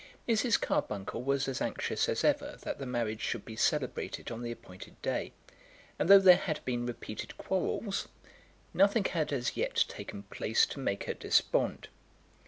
Mrs. Carbuncle was as anxious as ever that the marriage should be celebrated on the appointed day, and though there had been repeated quarrels, nothing had as yet taken place to make her despond.